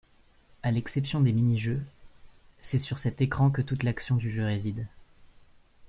À l'exception des mini-jeux, c'est sur cet écran que toute l'action du jeu réside.